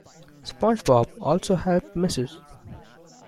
SpongeBob also helps Mrs.